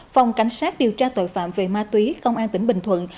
phòng cảnh sát điều tra tội phạm về ma túy công an tỉnh bình thuận